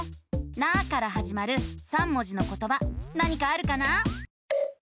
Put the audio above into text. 「な」からはじまる３文字のことば何かあるかな？